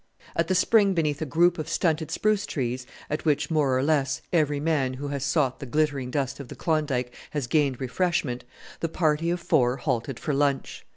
At the spring beneath a group of stunted spruce trees at which, more or less, every man who has sought the glittering dust of the Klondike has gained refreshment the party of four halted for lunch.